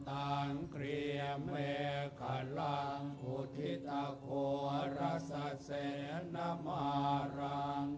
ทางเกลียเมคลังพุทธิตะโคระสะเสนมารัง